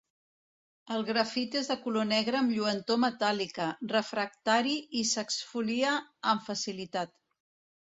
El grafit és de color negre amb lluentor metàl·lica, refractari i s'exfolia amb facilitat.